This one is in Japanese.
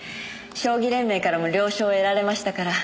将棋連盟からも了承を得られましたから。